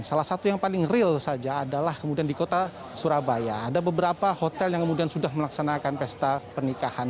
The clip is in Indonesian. salah satu yang paling real saja adalah kemudian di kota surabaya ada beberapa hotel yang kemudian sudah melaksanakan pesta pernikahan